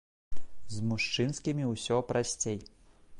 З мужчынскімі усё прасцей.